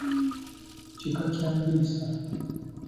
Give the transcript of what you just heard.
Kika kya Ndiisa.